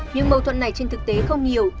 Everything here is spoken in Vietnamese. nhưng mâu thuẫn này trên thực tế không nhiều